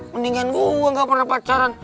mendingan gue gak pernah pacaran